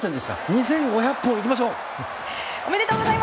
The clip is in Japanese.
２５００本いきましょう！